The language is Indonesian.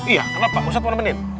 iya kenapa ustadz mau nemenin